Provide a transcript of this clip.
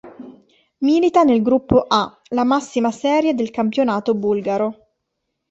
Milita nel Gruppo A, la massima serie del campionato bulgaro.